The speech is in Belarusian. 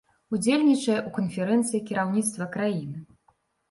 Удзельнічае ў канферэнцыі кіраўніцтва краіны.